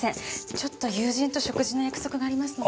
ちょっと友人と食事の約束がありますので。